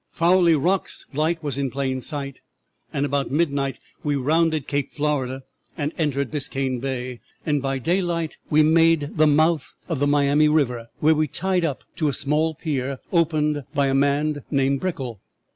"'Fowley Rocks light was in plain sight, and about midnight we rounded Cape Florida, and entered Biscayne Bay, and by daylight we made the mouth of the Miami River, where we tied up to a small pier, owned by a man named Brickle.